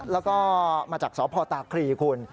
แล้วก็มาจากสพตาครีคุณ